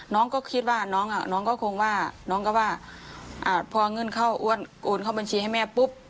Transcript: น้องก็คิดว่าน้องก็คงว่าพอเงินเข้าโอนเข้าบัญชีให้แม่ปุ๊บ